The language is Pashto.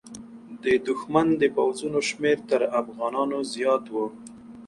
د دښمن د پوځونو شمېر تر افغانانو زیات و.